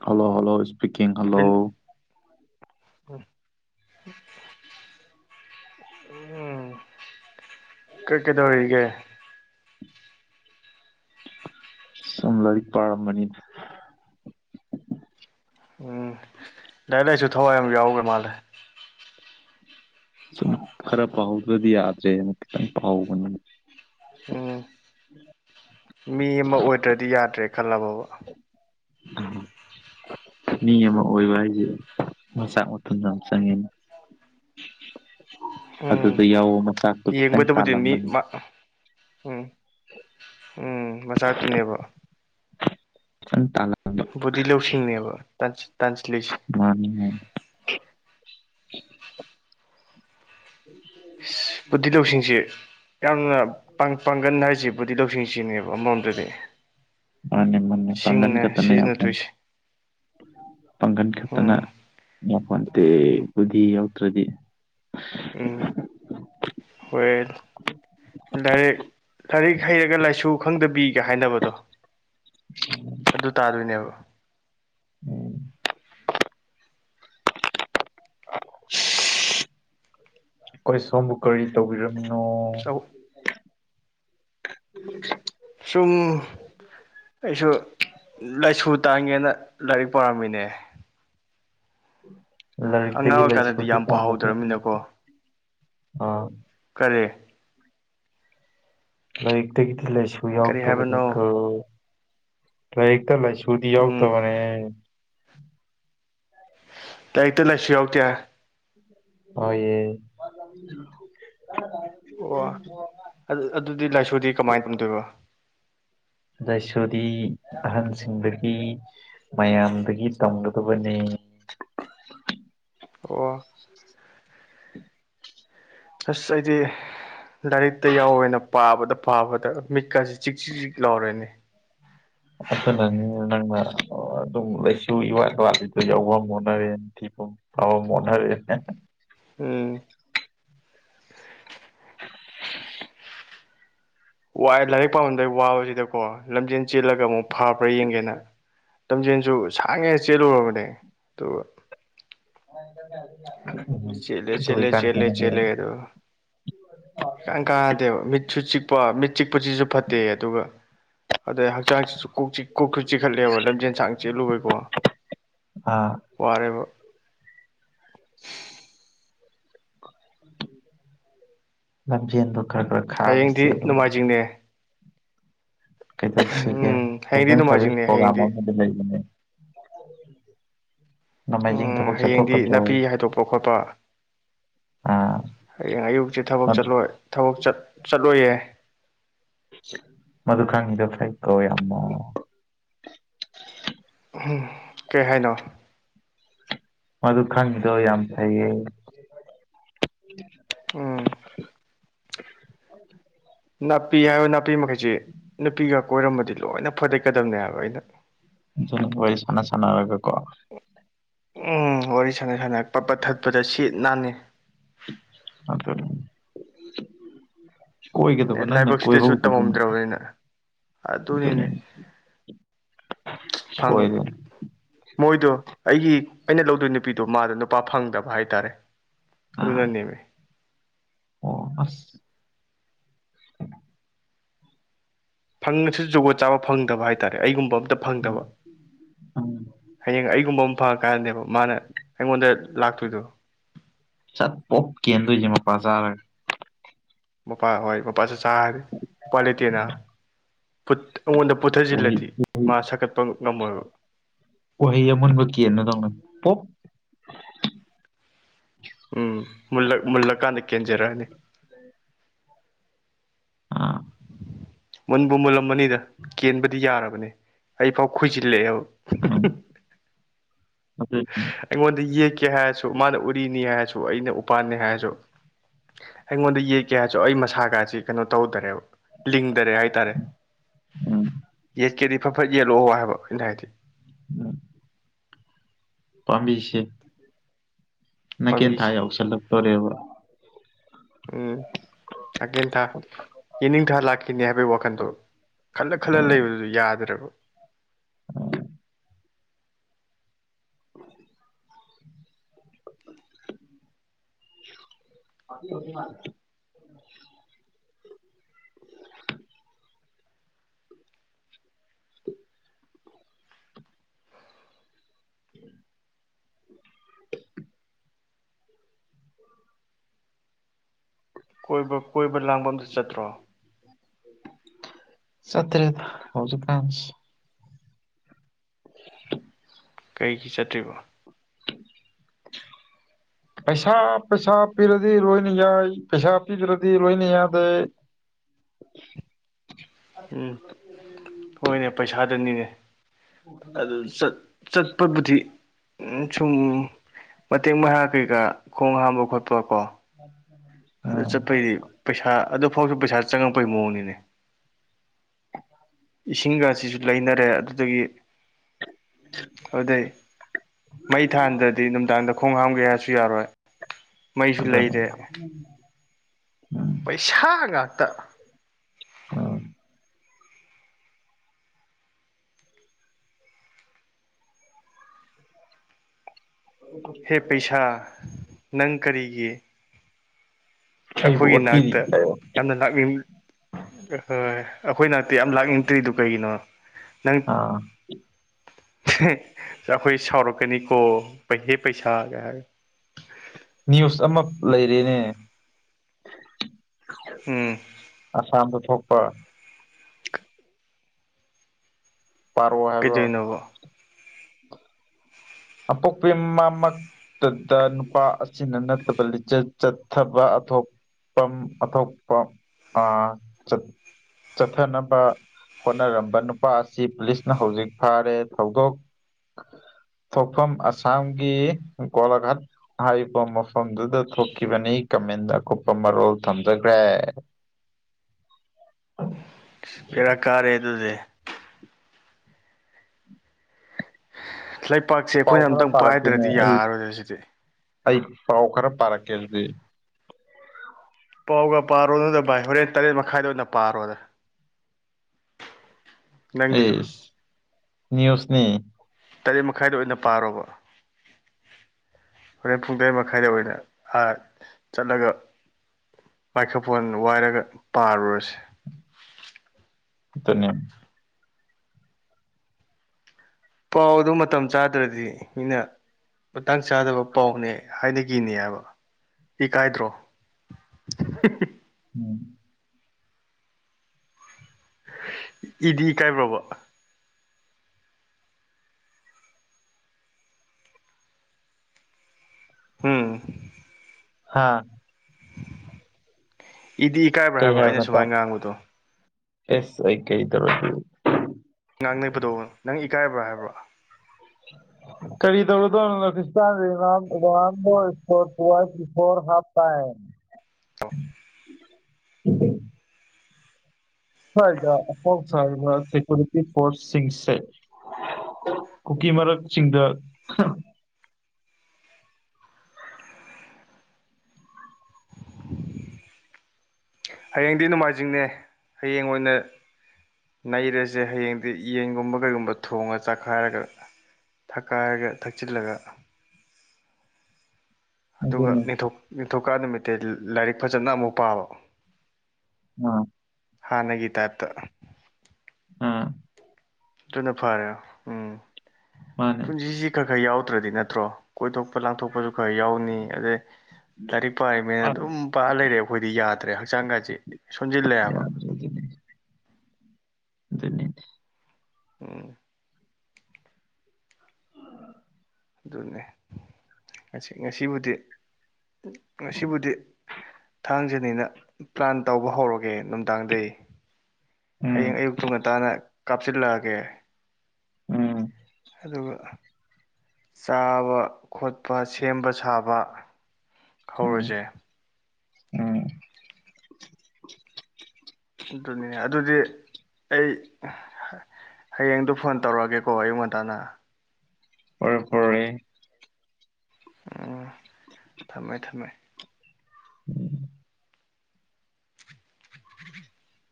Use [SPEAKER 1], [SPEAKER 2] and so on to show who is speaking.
[SPEAKER 1] Hello hello speaking
[SPEAKER 2] [unintelligible] ꯎꯝ
[SPEAKER 1] hello
[SPEAKER 2] ꯀꯩ ꯀꯗꯣ ꯑꯣꯏꯒꯦ
[SPEAKER 1] [inaudible] ꯁꯨꯝ ꯂꯥꯏꯔꯤꯛ ꯄꯥꯔꯝꯕꯅꯤꯗ
[SPEAKER 2] ꯎꯝ ꯂꯥꯏꯔꯤꯛ ꯂꯥꯏꯁꯨ ꯊꯋꯥꯏ ꯌꯥꯝ ꯌꯥꯎꯈ꯭ꯔ ꯃꯥꯜꯂꯦ
[SPEAKER 1] ꯁꯨꯝ ꯈꯔ ꯄꯥꯍꯧꯗ꯭ꯔꯗꯤ ꯌꯥꯗ꯭ꯔꯦꯅ ꯈꯤꯇꯪ ꯄꯥꯍꯧꯕꯅꯦ
[SPEAKER 2] ꯎꯝ ꯃꯤ ꯑꯃ ꯑꯣꯏꯗ꯭ꯔꯗꯤ ꯌꯥꯗ꯭ꯔꯦ ꯈꯜꯂꯕꯕ
[SPEAKER 1] [inaudible] ꯃꯤ ꯑꯃ ꯑꯣꯏꯕ ꯍꯥꯏꯁꯦ ꯃꯆꯥꯛ ꯃꯊꯨꯟ ꯌꯥꯝ ꯆꯪꯉꯤ
[SPEAKER 2] ꯎꯝ
[SPEAKER 1] ꯑꯗꯨꯗ ꯌꯥꯎꯕ ꯃꯆꯥꯛꯇꯣ ꯈꯤꯇꯪ
[SPEAKER 2] ꯌꯦꯡꯕꯗꯕꯨꯗꯤ ꯃꯤ
[SPEAKER 1] ꯇꯥꯜꯂꯝꯃꯅꯤ
[SPEAKER 2] ꯎꯝ ꯎꯝ ꯃꯆꯥꯥꯛꯇꯨꯅꯦꯕ
[SPEAKER 1] [unintelligible]
[SPEAKER 2] ꯕꯨꯗꯤ ꯂꯧꯁꯤꯡꯅꯦꯕ ꯇꯥꯟꯁꯤꯜꯂꯤꯁꯦ
[SPEAKER 1] ꯑ
[SPEAKER 2] ꯕꯨꯗꯤ ꯂꯧꯁꯤꯡꯁꯦ ꯌꯥꯝꯅ ꯄꯥꯡꯒꯟ ꯍꯥꯏꯔꯤꯁꯦ ꯕꯨꯗꯤ ꯂꯧꯁꯤꯡꯁꯤꯅꯦꯕ ꯑꯃꯔꯣꯝꯗꯗꯤ
[SPEAKER 1] ꯃꯥꯅꯦ ꯃꯥꯅꯦ
[SPEAKER 2] ꯁꯤꯡꯅ ꯁꯤꯖꯤꯟꯅꯗꯣꯏꯁꯦ
[SPEAKER 1] ꯎꯝ ꯄꯥꯡꯒꯟ ꯈꯛꯇꯅ
[SPEAKER 2] ꯎꯝ
[SPEAKER 1] ꯌꯥꯄꯣꯟꯇꯦ ꯕꯨꯗꯤ ꯌꯥꯎꯗ꯭ꯔꯗꯤ [inaudible]
[SPEAKER 2] ꯍꯣꯌꯦꯜ ꯂꯥꯏꯔꯤꯛ ꯂꯥꯏꯔꯤꯛ ꯍꯩꯔꯒ ꯂꯥꯏꯁꯨ ꯈꯪꯗꯕꯤ ꯒ ꯍꯥꯏꯅꯕꯗꯣ ꯑꯗꯨ ꯇꯥꯗꯣꯏꯅꯦꯕ
[SPEAKER 1] ꯑꯩꯈꯣꯏ ꯁꯣꯝꯕꯨ ꯀꯔꯤ ꯇꯧꯕꯤꯔꯝꯃꯤꯅꯣ
[SPEAKER 2] ꯁꯨꯝ꯫ ꯑꯩꯁꯨ ꯂꯥꯏꯁꯨ ꯇꯥꯡꯒꯦꯅ ꯂꯥꯏꯔꯤꯛ ꯄꯥꯔꯝꯃꯤꯅꯦ꯫ ꯑꯉꯥꯡ
[SPEAKER 1] ꯂꯥꯏꯔꯤꯛꯇꯒꯤ
[SPEAKER 2] ꯑꯣꯏꯔꯤꯀꯥꯟꯗꯗꯤ
[SPEAKER 1] ꯂꯥꯏꯔꯤꯁꯨꯗꯤ
[SPEAKER 2] ꯌꯥꯝ
[SPEAKER 1] ꯇꯥꯟꯒꯗꯕꯅꯤ
[SPEAKER 2] ꯄꯥꯍꯧꯗ꯭ꯔꯃꯤꯅꯀꯣ
[SPEAKER 1] ꯑꯥ
[SPEAKER 2] ꯀꯔꯦ꯫
[SPEAKER 1] ꯂꯥꯏꯔꯤꯛꯇꯒꯤꯗꯤ ꯂꯥꯏꯁꯨ
[SPEAKER 2] ꯀꯔꯤ ꯍꯥꯏꯕꯅꯣ
[SPEAKER 1] ꯌꯥꯎꯗꯕꯅꯤꯀ ꯂꯥꯏꯔꯤꯛꯇ ꯂꯥꯏꯁꯨ꯫ ꯁꯨꯗꯤ
[SPEAKER 2] ꯎꯝ
[SPEAKER 1] ꯌꯥꯎꯇꯕꯅꯦ꯫
[SPEAKER 2] ꯂꯥꯏꯔꯤꯛꯇ ꯂꯥꯏꯁꯨ ꯌꯥꯎꯗꯦ꯫
[SPEAKER 1] ꯍꯣꯏꯌꯦ꯫
[SPEAKER 2] ꯑꯣ ꯑꯗꯨ ꯑꯗꯨꯗꯤ ꯂꯥꯏꯁꯨꯗꯤ ꯀꯃꯥꯏꯅ ꯇꯧꯗꯣꯏꯕ꯫
[SPEAKER 1] ꯂꯥꯏꯁꯨꯗꯤ ꯑꯍꯟꯁꯤꯡꯗꯒꯤ ꯃꯌꯥꯝꯗꯒꯤ ꯇꯝꯒꯗꯕꯅꯦ꯫
[SPEAKER 2] ꯑꯣ꯫
[SPEAKER 1] [inaudible]
[SPEAKER 2] ꯑꯁ ꯍꯥꯏꯗꯤ꯫ ꯂꯥꯏꯔꯤꯛꯇ ꯌꯥꯎꯋꯦꯅ ꯄꯥꯕꯗ ꯄꯥꯕꯗ ꯃꯤꯠꯀꯁꯤ ꯆꯤꯛ ꯆꯤꯛ ꯆꯤꯛ ꯂꯥꯎꯔꯣꯏꯅꯦ꯫
[SPEAKER 1] ꯑꯁ ꯅꯪ ꯅꯪ ꯃꯥ ꯑꯗꯨꯝ ꯂꯩꯁꯨ ꯏꯋꯥꯠ ꯋꯥꯠꯂꯤꯗ ꯌꯧꯕꯐꯝ ꯍꯣꯠꯅꯔꯦ ꯅꯤꯡꯊꯤꯐꯝ ꯐꯥꯕ ꯍꯣꯠꯅꯔꯦ
[SPEAKER 2] ꯎꯝ꯫
[SPEAKER 1] [inaudible]
[SPEAKER 2] ꯋꯥꯏ ꯂꯥꯏꯔꯤꯛ ꯄꯥꯃꯥꯟꯕꯩ ꯋꯥꯕꯁꯤꯗꯀꯣ ꯂꯝꯖꯦꯜ ꯆꯦꯜꯂꯒ ꯑꯃꯨꯛ ꯐꯥꯕ꯭ꯔꯥ ꯌꯦꯡꯒꯦꯅ꯫ ꯂꯝꯖꯦꯜꯁꯨ ꯁꯥꯡꯉꯦ ꯆꯦꯜꯂꯨꯔꯕꯅꯦ ꯑꯗꯨꯒ
[SPEAKER 1] [unintelligible]
[SPEAKER 2] ꯆꯦꯜꯂꯦ
[SPEAKER 1] ꯑꯗꯨ
[SPEAKER 2] ꯆꯦꯜꯂꯦ
[SPEAKER 1] ꯏꯀꯥꯟ
[SPEAKER 2] ꯆꯦꯜꯂꯦ
[SPEAKER 1] ꯀꯥꯟꯅꯗꯦ
[SPEAKER 2] ꯆꯦꯜꯂꯦꯗꯣ ꯀꯩꯝ ꯀꯥꯟꯅꯗꯦꯕ ꯃꯤꯠꯁꯨ ꯆꯤꯛꯄ ꯃꯤꯠ ꯆꯤꯛꯄꯁꯤꯁꯨ ꯐꯠꯇꯦ ꯑꯗꯨꯒ ꯑꯗꯩ ꯍꯛꯆꯥꯡꯁꯤꯁꯨ ꯀꯣꯛ ꯆꯤꯛ ꯀꯣꯛꯁꯨ ꯆꯤꯈꯠꯂꯦꯕ ꯂꯝꯖꯦꯟ ꯁꯥꯡ ꯆꯦꯜꯂꯨꯕꯦꯀꯣ
[SPEAKER 1] ꯑꯥ
[SPEAKER 2] ꯋꯥꯔꯦꯕ꯫
[SPEAKER 1] [unintelligible] ꯂꯝꯖꯤꯗꯣ ꯈꯔ ꯈꯔ ꯈꯥꯡꯑ
[SPEAKER 2] ꯍꯌꯦꯡꯗꯤ
[SPEAKER 1] ꯆꯦꯟꯂꯨꯅꯦ꯫
[SPEAKER 2] ꯅꯣꯡꯃꯥꯏꯖꯤꯡꯅꯦ
[SPEAKER 1] ꯀꯩꯗꯣꯛꯁꯤꯒꯦ
[SPEAKER 2] ꯎꯝ ꯍꯌꯦꯡꯗꯤ
[SPEAKER 1] ꯁꯣꯁꯦꯜ ꯁꯥꯔꯚꯤꯁ
[SPEAKER 2] ꯅꯣꯡꯃꯥꯏꯖꯤꯡꯅꯦ
[SPEAKER 1] ꯄ꯭ꯔꯣꯒ꯭ꯔꯥꯝ
[SPEAKER 2] ꯍꯌꯦꯡꯗꯤ
[SPEAKER 1] ꯑꯃꯗ ꯂꯩꯕꯅꯦ꯫ [unintelligible]
[SPEAKER 2] ꯎꯝ
[SPEAKER 1] ꯊꯕꯛ
[SPEAKER 2] ꯍꯌꯦꯡꯗꯤ
[SPEAKER 1] ꯆꯠꯊꯣꯛꯀꯗ꯭ꯔꯣ
[SPEAKER 2] ꯅꯥꯄꯤ ꯍꯥꯏꯗꯣꯛꯄ ꯈꯣꯠꯄ꯫
[SPEAKER 1] ꯑꯥ
[SPEAKER 2] ꯍꯌꯦꯡ ꯑꯌꯨꯛꯁꯦ ꯊꯕꯛ ꯆꯠꯂꯣꯏ ꯊꯕꯛ ꯆꯥꯠ ꯆꯠꯂꯣꯏꯌꯦ꯫
[SPEAKER 1] ꯃꯗꯨ ꯈꯪꯍꯟꯅꯤꯗꯕꯩ ꯇꯥꯏꯞ ꯇꯧꯏ [unintelligible]
[SPEAKER 2] ꯎꯝ ꯀꯩ ꯍꯥꯏꯅꯣ꯫
[SPEAKER 1] ꯃꯗꯨ ꯈꯪꯉꯤꯗꯣ ꯌꯥꯝ ꯐꯩꯌꯦ꯫
[SPEAKER 2] ꯎꯝ꯫ ꯅꯥꯄꯤ ꯍꯥꯏ ꯅꯥꯄꯤ ꯃꯈꯩꯁꯤ ꯅꯨꯄꯤꯒ ꯀꯣꯏꯔꯝꯕꯗꯤ ꯂꯣꯏꯅ ꯐꯣꯏꯗꯠꯀꯗꯕꯅꯦ ꯍꯥꯏꯕ ꯑꯩꯅ꯫
[SPEAKER 1] ꯐꯖꯅ ꯋꯥꯔꯤ ꯁꯥꯟꯅ ꯁꯥꯟꯅꯔꯒꯀꯣ꯫
[SPEAKER 2] ꯎꯝ ꯋꯥꯔꯤ ꯁꯥꯟꯅ ꯁꯥꯟꯅ ꯄꯠ ꯄꯠ ꯊꯠꯄꯗ ꯁꯤꯠ ꯅꯥꯟꯅꯤ꯫
[SPEAKER 1] [unintelligible] ꯀꯣꯏꯒꯗꯕ ꯅꯪꯅ
[SPEAKER 2] ꯂꯥꯏꯕꯛꯁꯤꯗꯁꯨ
[SPEAKER 1] ꯀꯣꯏꯍꯧꯗ꯭ꯔꯕꯅꯤ꯫
[SPEAKER 2] ꯇꯝꯃꯝꯗ꯭ꯔꯕꯅꯤꯅ ꯑꯗꯨꯅꯤꯅꯦ꯫ ꯐꯪ
[SPEAKER 1] ꯁꯣꯏꯔꯦ꯫
[SPEAKER 2] ꯃꯣꯏꯗꯣ ꯑꯩꯒꯤ ꯑꯩꯅ ꯂꯧꯗꯣꯏ ꯅꯨꯄꯤꯗꯣ ꯃꯥꯗꯣ ꯅꯨꯄꯥ ꯐꯪꯗꯕ ꯍꯥꯏꯇꯥꯔꯦ꯫ ꯑꯗꯨ
[SPEAKER 1] ꯑꯥ
[SPEAKER 2] ꯅꯅꯦꯃꯦ꯫
[SPEAKER 1] ꯑꯣ ꯑꯁ
[SPEAKER 2] ꯐꯪꯉꯥꯁꯨ ꯖꯨꯒꯣꯠ ꯆꯥꯕ ꯐꯪꯗꯕ ꯍꯥꯏꯇꯥꯔꯦ ꯑꯩꯒꯨꯝꯕ ꯑꯝꯇ ꯐꯪꯗꯕ
[SPEAKER 1] ꯎꯝ [unintelligible]
[SPEAKER 2] ꯍꯌꯦꯡ ꯑꯩꯒꯨꯝꯕ ꯑꯃ ꯐꯪꯉꯀꯥꯟꯗꯅꯦꯕ ꯃꯥꯅ ꯑꯩꯉꯣꯟꯗ ꯂꯥꯛꯇꯣꯏꯗꯣ
[SPEAKER 1] ꯁꯠ ꯄꯣꯞ ꯀꯦꯟꯗꯣꯏꯁꯦ ꯃꯥꯄꯆꯔ
[SPEAKER 2] ꯃꯥꯄ ꯍꯣꯏ ꯃꯄꯥꯁꯨ ꯆꯥꯔ ꯎꯄꯥꯏ ꯂꯩꯇꯦꯅ ꯐꯨꯠ ꯑꯩꯉꯣꯟꯗ
[SPEAKER 1] ꯎꯍꯩ
[SPEAKER 2] ꯄꯨꯊꯁꯤꯜꯂꯗꯤ ꯃꯥ ꯁꯥꯒꯠꯄ ꯉꯝꯃꯣꯏꯕ
[SPEAKER 1] ꯎꯍꯩ ꯑꯃꯨꯟꯕ ꯀꯦꯟꯕꯗꯧꯅ ꯄꯣꯞ
[SPEAKER 2] ꯎꯝ ꯃꯨꯜꯂꯀꯥꯟꯗ ꯀꯦꯟꯖꯔꯛꯑꯅꯤ
[SPEAKER 1] ꯑꯥ
[SPEAKER 2] ꯃꯨꯟꯕꯨ ꯃꯨꯜꯂꯝꯕꯅꯤꯗ ꯀꯦꯟꯕꯗꯤ ꯌꯥꯔꯕꯅꯦ ꯑꯩꯐꯥꯎ ꯈꯨꯏꯖꯤꯜꯂꯛꯑꯦꯕ
[SPEAKER 1] [inaudible]
[SPEAKER 2] ꯑꯩꯉꯣꯟꯗ ꯌꯦꯛꯀꯦ ꯍꯥꯏꯔꯁꯨ ꯃꯥꯅ ꯎꯔꯤꯅꯤ ꯍꯥꯏꯔꯁꯨ ꯑꯩꯅ ꯎꯄꯥꯥꯟꯅꯤ ꯍꯥꯏꯔꯁꯨ ꯑꯩꯉꯣꯟꯗ ꯌꯦꯛꯀꯦ ꯍꯥꯏꯔꯁꯨ ꯑꯩ ꯃꯁꯥ ꯀꯁꯤ ꯀꯩꯅꯣ ꯇꯧꯗꯔꯦꯕ ꯂꯤꯡꯗꯔꯦ ꯍꯥꯏꯇꯥꯔꯦ
[SPEAKER 1] ꯎꯝ
[SPEAKER 2] ꯌꯦꯠꯀꯦꯗꯤ ꯐꯠ ꯐꯠ ꯌꯦꯠꯂꯛꯑꯣ ꯍꯥꯏꯕ ꯑꯩꯅ ꯍꯥꯏꯗꯤ
[SPEAKER 1] ꯎꯝ ꯄꯥꯝꯕꯤꯁꯦ ꯅꯥꯀꯦꯟ ꯊꯥ
[SPEAKER 2] ꯄꯥꯝꯕꯤꯁꯦ
[SPEAKER 1] ꯌꯧꯁꯜꯂꯛꯇꯣꯔꯦꯕ
[SPEAKER 2] ꯎꯝ ꯅꯀꯦꯟꯊꯥ ꯌꯦꯅꯤꯡꯊꯥ ꯂꯥꯛꯈꯤꯅꯤ ꯍꯥꯏꯕꯒꯤ ꯋꯥꯈꯟꯗꯣ ꯈꯜꯂ ꯈꯜꯂ ꯂꯩꯕꯗꯨ ꯌꯥꯗ꯭ꯔꯕ
[SPEAKER 1] [unintelligible] [unintelligible]
[SPEAKER 2] ꯀꯣꯏꯕ ꯀꯣꯏꯕ ꯂꯥꯡꯕ ꯑꯝꯇ ꯆꯠꯇ꯭ꯔꯣ
[SPEAKER 1] ꯆꯠꯇ꯭ꯔꯦ ꯗ ꯍꯧꯖꯤꯛꯀꯥꯟꯁꯤ [unintelligible]
[SPEAKER 2] ꯀꯩꯒꯤ ꯆꯠꯇ꯭ꯔꯤꯕꯣ
[SPEAKER 1] ꯄꯩꯁꯥ ꯄꯩꯁꯥ ꯄꯤꯔꯗꯤ ꯂꯣꯏꯅ ꯌꯥꯏ ꯄꯩꯁꯥ ꯄꯤꯗꯔꯗꯤ ꯂꯣꯏꯅ ꯌꯥꯗꯦ [unintelligible]
[SPEAKER 2] ꯎꯝ ꯍꯣꯏꯅꯦ ꯄꯩꯁꯥꯗꯅꯤꯅꯦ ꯑꯗꯨꯅꯤ ꯆꯠ ꯆꯠꯄꯕꯨꯗꯤ ꯎ ꯁꯨꯝ ꯃꯇꯦꯛ ꯃꯥꯌꯥ ꯀꯩꯀꯥ ꯈꯣꯡ ꯍꯥꯝꯕ ꯈꯣꯠꯄ ꯀꯣ
[SPEAKER 1] [inaudible]
[SPEAKER 2] ꯑꯗꯨ ꯆꯠꯄꯩꯗꯤ ꯄꯩꯁꯥ ꯑꯗꯨꯐꯥꯎꯁꯨ ꯄꯩꯁꯥ ꯆꯪꯉꯛꯄꯩ ꯃꯑꯣꯡꯅꯤꯅꯦ ꯏꯁꯤꯡꯒꯁꯤꯁꯨ ꯂꯩꯅꯔꯦ ꯑꯗꯨꯗꯒꯤ ꯑꯗꯨꯗꯩ ꯃꯩ ꯊꯥꯟꯗ꯭ꯔꯗꯤ ꯅꯨꯡꯗꯥꯡꯗ ꯈꯣꯡ ꯍꯥꯝꯒꯦ ꯍꯥꯏꯔꯁꯨ ꯌꯥꯔꯣꯏ ꯃꯩꯁꯨ
[SPEAKER 1] ꯑꯗꯨꯅꯦ
[SPEAKER 2] ꯂꯩꯔꯦ
[SPEAKER 1] ꯎꯝ
[SPEAKER 2] ꯄꯩꯁꯥ ꯉꯥꯛꯇ
[SPEAKER 1] ꯑꯥ
[SPEAKER 2] ꯍꯦ ꯄꯩꯁꯥ ꯅꯪ ꯀꯔꯤꯒꯤ
[SPEAKER 1] ꯑꯩꯕꯨ
[SPEAKER 2] ꯑꯩꯈꯣꯏꯒꯤ
[SPEAKER 1] ꯑꯣꯠꯄꯤꯔꯤ
[SPEAKER 2] ꯅꯥꯔꯛꯇ
[SPEAKER 1] ꯍꯥꯏꯌꯣ
[SPEAKER 2] ꯌꯥꯝꯅ ꯂꯥꯛꯅꯤꯡ ꯍꯣꯏ ꯑꯩꯈꯣꯏ ꯅꯥꯛꯇꯤ ꯌꯥꯝ ꯂꯥꯛꯅꯤꯡꯗ꯭ꯔꯤꯗꯨ ꯀꯩꯒꯤꯅꯣ ꯅꯪ
[SPEAKER 1] ꯑꯥ
[SPEAKER 2] ꯑꯩꯈꯣꯏ ꯁꯥꯎꯔꯛꯀꯅꯤꯀꯣ ꯄꯩꯍꯦ ꯄꯩꯁꯥꯒꯥꯏ ꯍꯥꯏ
[SPEAKER 1] ꯅꯤꯌꯨꯁ ꯑꯃ ꯂꯩꯔꯦꯅꯦ
[SPEAKER 2] ꯎꯝ
[SPEAKER 1] ꯑꯁꯥꯝꯗ ꯊꯣꯛꯄ ꯄꯥꯔꯣ ꯍꯥꯏꯕ꯭ꯔꯣ
[SPEAKER 2] ꯀꯩꯗꯣꯏꯅꯣꯕ
[SPEAKER 1] ꯑꯄꯣꯛꯄꯤ ꯃꯥ ꯃꯛ ꯗ ꯅꯨꯄꯥ ꯑꯁꯤꯅ ꯅꯠꯇꯕ ꯂꯤꯆꯠ ꯆꯠꯊꯕ ꯑꯊꯣꯞ ꯄꯝ ꯑꯊꯣꯞꯄ ꯑ ꯆꯠꯊꯅꯕ ꯍꯣꯠꯅꯔꯝꯕ ꯅꯨꯄꯥ ꯑꯁꯤ ꯄꯨꯂꯤꯁꯅ ꯍꯧꯖꯤꯛ ꯐꯥꯔꯦ ꯊꯧꯗꯣꯛ ꯊꯣꯛꯐꯝ ꯑꯁꯥꯝꯒꯤ ꯀꯣꯂꯥꯘꯥꯠ ꯍꯥꯏꯔꯤꯕ ꯃꯐꯝꯗꯨꯗ ꯊꯣꯛꯈꯤꯕꯅꯤ ꯀꯃꯦꯟꯗ ꯑꯀꯨꯞꯄ ꯃꯔꯣꯜ ꯊꯝꯖꯒ꯭ꯔꯦ
[SPEAKER 2] ꯕꯦꯔꯥ ꯀꯥꯔꯦ ꯑꯗꯨꯗꯤ ꯂꯩꯄꯥꯛꯁꯦ
[SPEAKER 1] ꯄꯥꯎ
[SPEAKER 2] ꯑꯩꯈꯣꯏꯅ
[SPEAKER 1] ꯈꯔ
[SPEAKER 2] ꯑꯝꯇꯪ
[SPEAKER 1] ꯄꯥꯔꯛꯀꯦꯅꯦ
[SPEAKER 2] ꯄꯥꯏꯗ꯭ꯔꯗꯤ
[SPEAKER 1] ꯑꯩ
[SPEAKER 2] ꯌꯥꯔꯣꯏꯗꯁꯤꯗꯤ
[SPEAKER 1] ꯑꯩ ꯄꯥꯎ ꯈꯔ ꯄꯥꯔꯛꯀꯦ ꯑꯗꯨꯗꯤ
[SPEAKER 2] ꯄꯥꯎꯒ ꯄꯥꯔꯣꯅꯗ ꯚꯥꯏ ꯍꯣꯔꯦꯟ ꯇꯔꯦꯠ ꯃꯈꯥꯏꯗ ꯑꯣꯏꯅ ꯄꯥꯔꯣꯗ ꯅꯪꯒꯤꯗꯨ
[SPEAKER 1] ꯏꯁ ꯅꯤꯌꯨꯁꯅꯤ
[SPEAKER 2] ꯇꯔꯦꯠ ꯃꯈꯥꯏꯗ ꯑꯣꯏꯅ ꯄꯥꯔꯣꯕ ꯍꯣꯔꯦꯟ ꯄꯨꯡ ꯗ꯭ꯔꯦ ꯃꯈꯥꯏꯗ ꯑꯣꯏꯅꯥ ꯍꯥ ꯆꯠꯂꯒ ꯄꯥꯏꯈꯄꯣꯟ ꯋꯥꯏꯔꯒ ꯄꯥꯔꯨꯔꯁꯦ
[SPEAKER 1] ꯗꯨꯅꯤ
[SPEAKER 2] ꯄꯥꯎ ꯑꯗꯨ ꯃꯇꯝ ꯆꯥꯗ꯭ꯔꯗꯤ ꯃꯤꯅ ꯃꯇꯥꯡ ꯆꯥꯗꯕ ꯄꯥꯎꯅꯦ ꯍꯥꯏꯅꯒꯤꯅꯦꯕ ꯏꯀꯥꯏꯗ꯭ꯔꯣ [inaudible]
[SPEAKER 1] ꯎꯝ
[SPEAKER 2] ꯏꯗꯤ ꯏꯀꯥꯏꯕ꯭ꯔꯣꯕ ꯍꯝ
[SPEAKER 1] ꯍꯥꯥ
[SPEAKER 2] ꯏꯗꯤ ꯏꯀꯥꯏꯕ꯭ꯔꯥ
[SPEAKER 1] ꯀꯩ
[SPEAKER 2] ꯍꯥꯏꯕ ꯑꯩꯅ
[SPEAKER 1] ꯍꯥꯏꯕꯅꯣ
[SPEAKER 2] ꯁꯨꯃꯥꯏꯅ ꯉꯥꯡꯕꯗꯣ
[SPEAKER 1] ꯑꯦꯁ ꯑꯩ ꯀꯩ ꯇꯧꯔꯒꯦ
[SPEAKER 2] ꯉꯥꯡꯅꯦꯕꯗꯣ ꯅꯪ ꯏꯀꯥꯏꯕ꯭ꯔꯥ ꯍꯥꯏꯕ꯭ꯔꯣ
[SPEAKER 1] [unintelligible] ꯀꯔꯤ ꯇꯧꯔꯗꯧꯅꯣꯗ ꯗꯤꯁꯇꯥꯏꯝ [unintelligible] ꯍꯥꯞꯇꯥꯏꯝ
[SPEAKER 2] ꯇꯣ
[SPEAKER 1] ꯁꯋꯥꯏꯗ ꯑꯐꯥꯎ ꯁꯥꯔꯤꯕ ꯁꯦꯀ꯭ꯌꯨꯔꯤꯇꯤ ꯐꯣꯔꯁ ꯁꯤꯡꯁꯦ ꯀꯨꯀꯤ ꯃꯔꯛꯁꯤꯡꯗ
[SPEAKER 2] ꯍꯌꯦꯡꯗꯤ ꯅꯣꯡꯃꯥꯏꯖꯤꯡꯅꯦ ꯍꯌꯦꯡ ꯑꯣꯏꯅ ꯅꯩꯔꯁꯦ ꯍꯌꯦꯡꯗꯤ ꯌꯦꯟꯒꯨꯝꯕ ꯀꯩꯒꯨꯝꯕ ꯊꯣꯡꯉ ꯆꯥꯛꯈꯥꯏꯔꯒ ꯊꯛꯀꯥꯏꯔꯒ ꯊꯛꯆꯤꯜꯂꯒ ꯑꯗꯨꯒ
[SPEAKER 1] ꯑꯗꯨꯅꯦ
[SPEAKER 2] ꯅꯤꯡꯊꯧ ꯅꯤꯡꯊꯧꯀꯥ ꯅꯨꯃꯤꯠꯇꯩ ꯂꯥꯏꯔꯤꯛ ꯐꯖꯅ ꯑꯃꯨꯛ ꯄꯥꯕ
[SPEAKER 1] ꯎꯝ
[SPEAKER 2] ꯍꯥꯟꯅꯒꯤ ꯇꯥꯏꯞꯇ
[SPEAKER 1] ꯎꯝ
[SPEAKER 2] ꯑꯗꯨꯅ ꯐꯔꯦ ꯎꯝ
[SPEAKER 1] ꯃꯥꯅꯦ
[SPEAKER 2] ꯄꯨꯟꯁꯤꯁꯤ ꯈꯔ ꯈꯔ ꯌꯥꯎꯇ꯭ꯔꯗꯤ ꯅꯠꯇ꯭ꯔꯣ ꯀꯣꯏꯊꯣꯛꯄ ꯂꯥꯡꯊꯣꯛꯄꯁꯨ ꯈꯔ ꯌꯥꯎꯅꯤ ꯑꯗꯩ ꯂꯥꯏꯔꯤꯛ ꯄꯥꯔꯤꯃꯦꯅ
[SPEAKER 1] ꯃꯥꯅꯦ
[SPEAKER 2] ꯑꯗꯨꯝ ꯄꯥꯔ ꯂꯩꯔꯦ ꯑꯩꯈꯣꯏꯗꯤ ꯌꯥꯗ꯭ꯔꯦ ꯍꯛꯆꯥꯡꯒꯁꯤ ꯁꯣꯟꯖꯤꯜꯂꯦ ꯍꯥꯏꯕ
[SPEAKER 1] ꯌꯥꯗ꯭ꯔꯦ [unintelligible] ꯑꯗꯨꯅꯤ
[SPEAKER 2] ꯎꯝ ꯑꯗꯨꯅꯦ ꯉ ꯉꯁꯤꯕꯨꯗꯤ ꯉꯁꯤꯕꯨꯗꯤ ꯊꯥꯡꯖꯅꯤꯅ ꯄ꯭ꯂꯥꯟ ꯇꯧꯕ ꯍꯧꯔꯣ ꯀꯦ ꯅꯨꯡꯗꯥꯡꯗꯩ
[SPEAKER 1] ꯎꯝ
[SPEAKER 2] ꯍꯌꯦꯡ ꯑꯌꯨꯛꯇꯨ ꯉꯟꯇꯥꯥꯅ ꯀꯥꯞꯁꯤꯜꯂꯛꯑꯒꯦ
[SPEAKER 1] ꯎꯝ
[SPEAKER 2] ꯑꯗꯨꯒ ꯆꯥꯕ ꯈꯣꯠꯄ ꯁꯦꯝꯕ ꯁꯥꯕ
[SPEAKER 1] ꯎꯝ
[SPEAKER 2] ꯍꯧꯔꯁꯦ
[SPEAKER 1] ꯎꯝ
[SPEAKER 2] ꯑꯗꯨꯅꯤ ꯑꯗꯨꯗꯤ ꯑꯩ ꯍꯌꯦꯡꯗꯨ ꯐꯣꯟ ꯇꯧꯔꯛꯑꯒꯦꯀꯣ ꯑꯌꯨꯛ ꯉꯟꯇꯥꯅ
[SPEAKER 1] ꯐꯥꯔꯦ ꯐꯥꯔꯦ
[SPEAKER 2] ꯎꯝ ꯊꯝꯃꯦ ꯊꯝꯃꯦ
[SPEAKER 1] ꯎꯝ
[SPEAKER 2] [unintelligible]